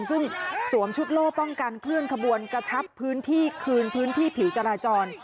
ซึ่งสวมชุดโล่ป้องกันเคลื่อนขบวนกระชับพื้นที่คืนพื้นที่ผิวจราจร